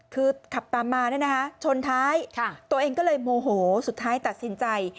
คือขับตามมาชนท้ายตัวเองก็เลยโมโหสุดท้ายตัดสินใจ